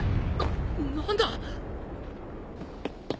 何だ⁉